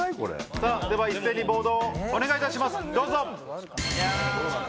さぁでは一斉にボードをお願いいたしますどうぞ。